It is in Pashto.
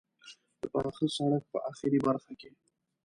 د پاخه سړک په آخري برخه کې.